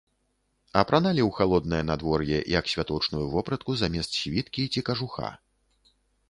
Апраналі ў халоднае надвор'е як святочную вопратку замест світкі ці кажуха.